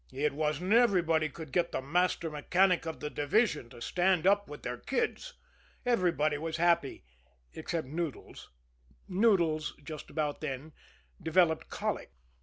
It wasn't everybody could get the master mechanic of the division to stand up with their kids! Everybody was happy except Noodles. Noodles, just about then, developed colic.